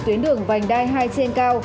tuyến đường vành đai hai trên cao